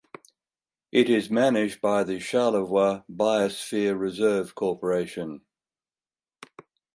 It is managed by the Charlevoix Biosphere Reserve Corporation.